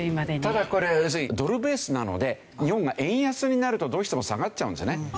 ただこれ要するにドルベースなので日本が円安になるとどうしても下がっちゃうんですよね。